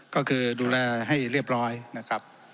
ก็คือดูแลให้เรียบร้อยนะครับ